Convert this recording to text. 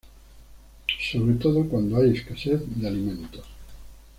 Sobre todo cuando hay escasez de alimentos.